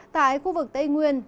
tại khu vực tây nguyên